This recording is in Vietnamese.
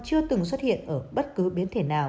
chưa từng xuất hiện ở bất cứ biến thể nào